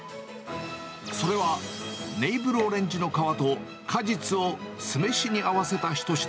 それは、ネーブルオレンジの皮と果実を酢飯に合わせた一品。